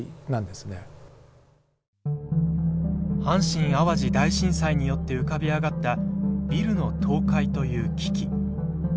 阪神・淡路大震災によって浮かび上がったビルの倒壊という危機。